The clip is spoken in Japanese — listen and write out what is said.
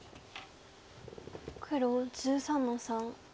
黒１３の三。